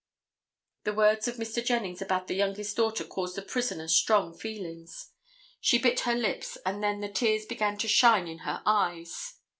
The words of Mr. Jennings about the youngest daughter caused the prisoner strong feelings. She bit her lips and then the tears began to shine in her eyes.